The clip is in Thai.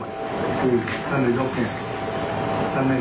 คือท่านนายกเนี่ย